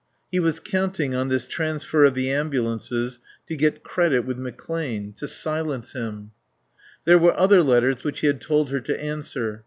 He was counting on this transfer of the ambulances to get credit with McClane; to silence him. There were other letters which he had told her to answer.